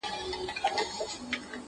• سپوږمۍ ته گوره زه پر بام ولاړه يمه؛